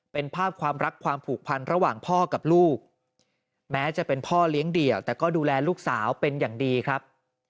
เป็นภาพความรักความผูกพันระหว่างพ่อกับลูกแม้จะเป็นพ่อเลี้ยงเดี่ยวแต่ก็ดูแลลูกสาวเป็นอย่างดีครับ